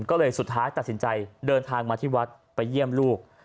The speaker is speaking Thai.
ก็เลยสุดท้ายตัดสินใจเดินทางมาที่วัดไปเยี่ยมลูก